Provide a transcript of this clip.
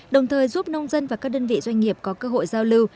đồng thời giúp nông dân và các đơn vị doanh nghiệp có cơ hội giao lưu